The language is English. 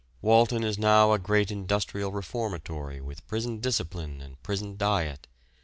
Walton is now a great industrial reformatory, with prison discipline and prison diet.